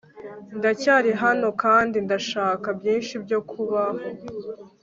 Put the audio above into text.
ndacyari hano kandi ndashaka byinshi byo kubaho